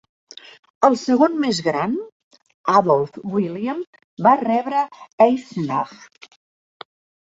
El segon més gran, Adolf William, va rebre Eisenach.